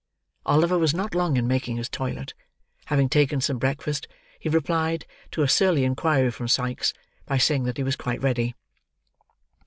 Oliver was not long in making his toilet; having taken some breakfast, he replied to a surly inquiry from Sikes, by saying that he was quite ready.